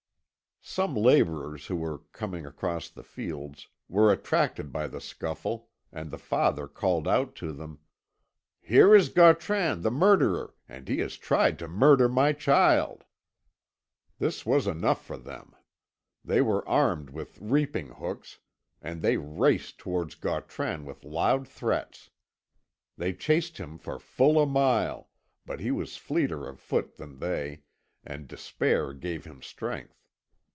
Some labourers who were coming across the fields, were attracted by the scuffle, and the father called out to them: "Here is Gautran the murderer, and he has tried to murder my child!" This was enough for them. They were armed with reaping hooks, and they raced towards Gautran with loud threats. They chased him for full a mile, but he was fleeter of foot than they, and despair gave him strength.